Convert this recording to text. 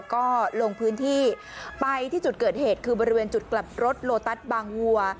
ก็ลงพื้นที่ไปที่จุดเกิดเหตุคือบริเวณจุดกลับรถโลตัสบางวัว